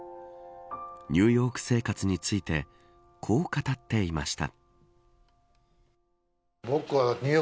ニューヨーク生活についてこう語っていました。